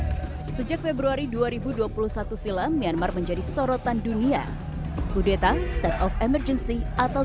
hai sejak februari dua ribu dua puluh satu silam myanmar menjadi sorotan dunia kudeta state of emergency atau